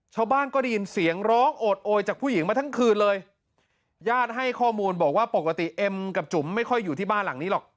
ชาวบ้านก็ได้ยินเสียงร้องโอดโอยจากผู้หญิงมาทั้งคืนเลยญาติให้ข้อมูลบอกว่าปกติเอ็มกับจุ๋มไม่ค่อยอยู่ที่บ้านหลังนี้หรอก